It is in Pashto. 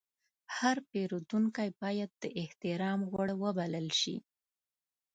هر پیرودونکی باید د احترام وړ وبلل شي.